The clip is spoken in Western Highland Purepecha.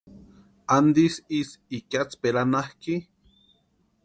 ¿Antisï ísï ikiatsperanhakʼi?